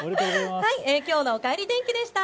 きょうのおかえり天気でした。